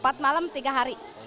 empat malam empat malam tiga hari